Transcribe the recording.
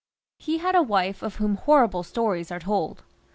He had a wife of whom horrible stories are told.